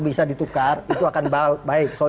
bisa ditukar itu akan baik soal